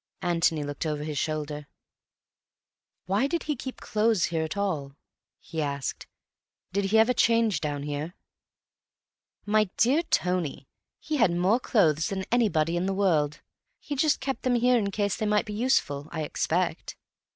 Antony looked over his shoulder. "Why did he keep clothes here at all?" he asked. "Did he ever change down here?" "My dear Tony, he had more clothes than anybody in the world. He just kept them here in case they might be useful, I expect.